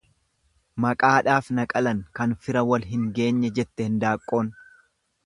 Maqaadhaaf na qalan, kan fira wal hin geenye jette hindaaqqoon.